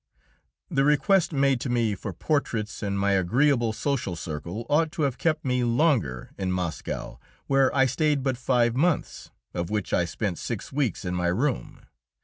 The request made to me for portraits and my agreeable social circle ought to have kept me longer in Moscow, where I stayed but five months, of which I spent six weeks in my room.